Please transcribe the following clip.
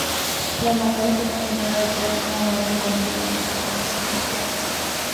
La Marina se consideró vital como medio de control de las colonias americanas.